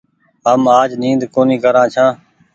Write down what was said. هم آج نيد ڪونيٚ ڪران ڇآن۔